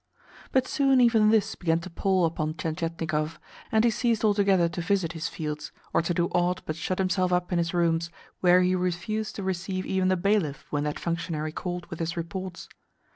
But soon even this began to pall upon Tientietnikov, and he ceased altogether to visit his fields, or to do aught but shut himself up in his rooms, where he refused to receive even the bailiff when that functionary called with his reports.